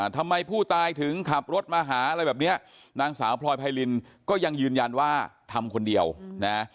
ทำไมผู้ตายถึงขับรถมาหาอะไรแบบเนี้ยนางสาวพลอยไพรินก็ยังยืนยันว่าทำคนเดียวนะ